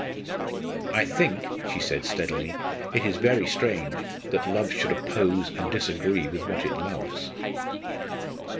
"I think," she said steadily, "it is very strange that love should oppose and disagree with what it loves."